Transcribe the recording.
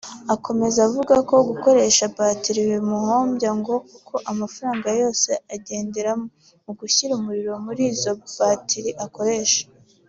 Akomeza avuga ko gukoresha bateri bimuhombya ngo kuko amafaranga yose agendera mu gushyira umuriro muri izo batiri akoresha